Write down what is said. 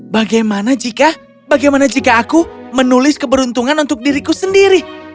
bagaimana jika bagaimana jika aku menulis keberuntungan untuk diriku sendiri